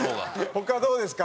他どうですか？